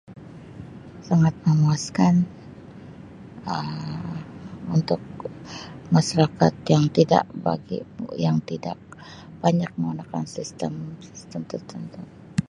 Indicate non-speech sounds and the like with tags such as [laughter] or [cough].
Sangat memuaskan. Um Untuk masarakat yang tidak bagi- yang- tidak banyak [unintelligible] sistem-sistem tertentu.